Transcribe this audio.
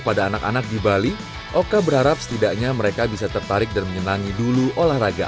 pada anak anak di bali oka berharap setidaknya mereka bisa tertarik dan menyenangi dulu olahraga